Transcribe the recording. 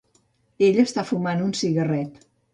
Ell està fumant un cigarret.